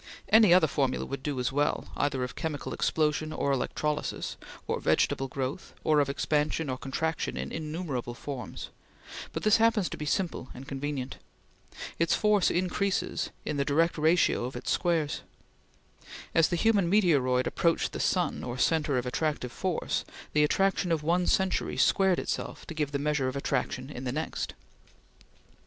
Any other formula would do as well, either of chemical explosion, or electrolysis, or vegetable growth, or of expansion or contraction in innumerable forms; but this happens to be simple and convenient. Its force increases in the direct ratio of its squares. As the human meteoroid approached the sun or centre of attractive force, the attraction of one century squared itself to give the measure of attraction in the next.